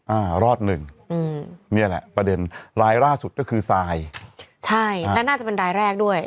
อ่ารอดหนึ่งอืมเนี่ยแหละประเด็นรายล่าสุดก็คือทรายใช่และน่าจะเป็นรายแรกด้วย